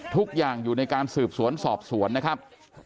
ทุกอย่างอยู่ในการสืบสวนสอบสวนนะครับ